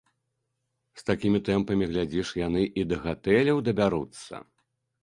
З такімі тэмпамі, глядзіш, яны і да гатэляў дабяруцца.